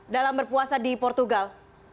dalam berpuasa di portugal